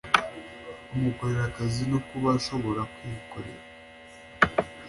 bamukorera akazi no kuba ashobora kwikorera